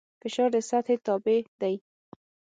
فشار د سطحې تابع دی.